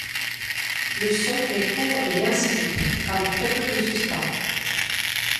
Le son est court et incisif, avec très peu de sustain.